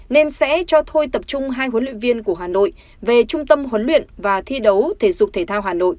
nên sẽ cho thôi tập trung hai huấn luyện viên của hà nội về trung tâm huấn luyện và thi đấu thể dục thể thao hà nội